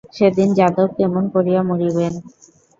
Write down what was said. সেদিন যাদব কেমন করিয়া মরিবেন?